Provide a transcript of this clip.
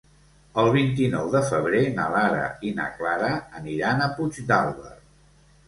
El vint-i-nou de febrer na Lara i na Clara aniran a Puigdàlber.